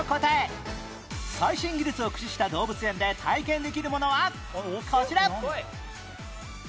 最新技術を駆使した動物園で体験できるものはこちら！